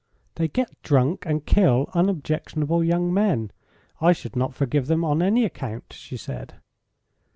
"They get drunk, and kill unobjectionable young men. I should not forgive them on any account," she said.